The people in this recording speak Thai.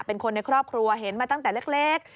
เป็นคนในครอบครัวเห็นมาตั้งแต่เล็ก